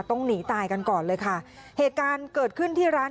ต้องหนีตายกันก่อนเลยค่ะเหตุการณ์เกิดขึ้นที่ร้าน